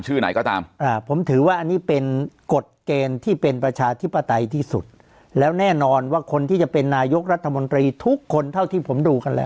ชื่อไหนก็ตาม